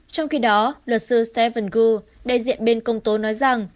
trong khi đó luật sư stephen gu đại diện bên công tố nói rằng